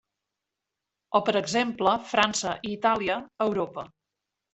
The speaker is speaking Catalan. O per exemple França i Itàlia a Europa.